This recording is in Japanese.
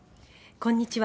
こんにちは。